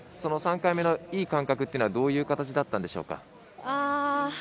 ３回目のいい感覚というのはどういう形だったんでしょうか？